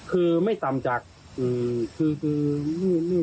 และก็คือว่าถึงแม้วันนี้จะพบรอยเท้าเสียแป้งจริงไหม